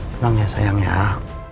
tenang ya sayang ya